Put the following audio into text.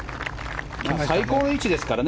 最高の位置ですからね。